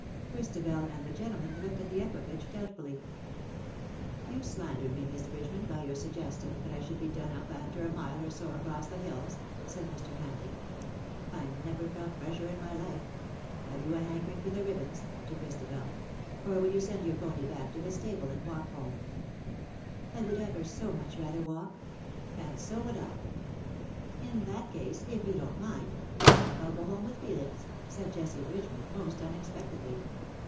Christabel and the gentleman looked at the equipage doubtfully. ^^ You slandered me, Miss Bridgeman, by your suggestion that I should be done up after a mile or so across the hills/^ said Mr. Hamleigh ;" I never felt fresher in my life. Have you a hankering for the ribbons 1" to Christabel ;" or will you send your pony back to his stable and walk home T' ''1 would ever so much rather walk.'"* "And so would 1,'^ '' In that case, if you don^t mind, I think I^'ll go home with Felix/^ said Jessie Bridgeman, most unexpectedly.